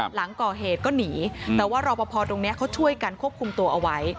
หลังก่อเหตุก็หนีแต่ว่ารอปภตรงนี้เขาช่วยกันควบคุมตัวเอาไว้